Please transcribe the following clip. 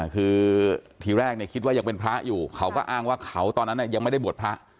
คือทีแรกคิดว่ายังเป็นพระอยู่เขาก็อ้างว่าเขาตอนนั้นยังไม่ได้บวชพระ